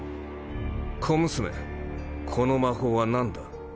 小娘この魔法は何だ？